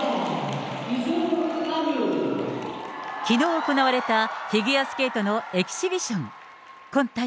きのう行われた、フィギュアスケートのエキシビション。